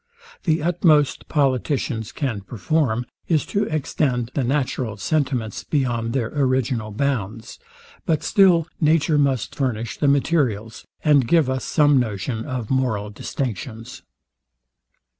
The utmost politicians can perform, is, to extend the natural sentiments beyond their original bounds; but still nature must furnish the materials, and give us some notion of moral distinctions.